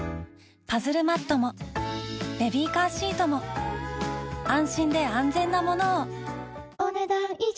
パズルマットもベビーカーシートも安心で安全なものをお、ねだん以上。